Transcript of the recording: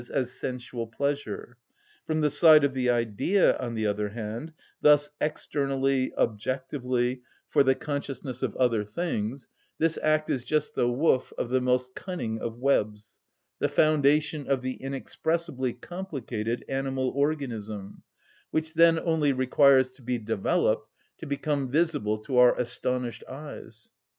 _, as sensual pleasure. From the side of the idea, on the other hand, thus externally, objectively, for the consciousness of other things, this act is just the woof of the most cunning of webs, the foundation of the inexpressibly complicated animal organism, which then only requires to be developed to become visible to our astonished eyes.